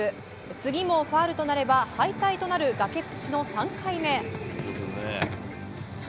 次もファウルとなれば敗退となる崖っぷちの３回目。